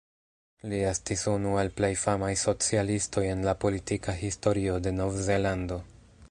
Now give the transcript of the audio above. Li estis unu el plej famaj socialistoj en la politika historio de Novzelando.